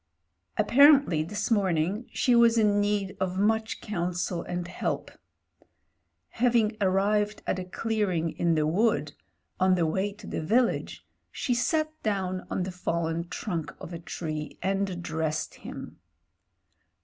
Apparently this morning she was in need of much JAMES HENRY 215 cotinsel and help. Having arrived at a clearing in the wood, on the way to the village, she sat down on the fallen trunk of a tree, and addressed him.